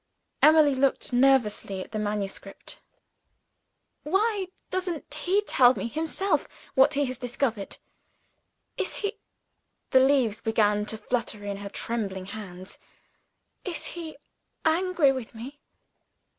Emily looked nervously at the manuscript. "Why doesn't he tell me himself what he has discovered? Is he " The leaves began to flutter in her trembling fingers "is he angry with me?"